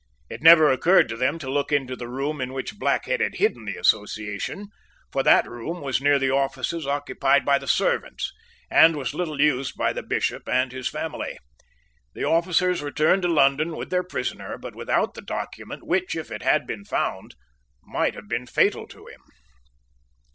It never occurred to them to look into the room in which Blackhead had hidden the Association: for that room was near the offices occupied by the servants, and was little used by the Bishop and his family. The officers returned to London with their prisoner, but without the document which, if it had been found, might have been fatal to him.